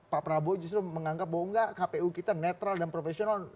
pak prabowo justru menganggap bahwa enggak kpu kita netral dan profesional